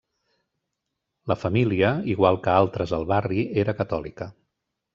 La família, igual que altres al barri, era catòlica.